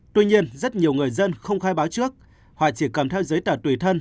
tuy nhiên rất nhiều người dân không khai báo trước hoặc chỉ cầm theo giấy tờ tùy thân